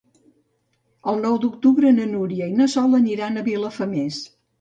El nou d'octubre na Núria i na Sol aniran a Vilafamés.